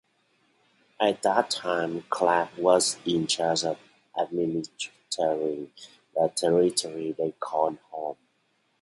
At that time Clark was in charge of administering the territory they called home.